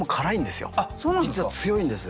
実は強いんです。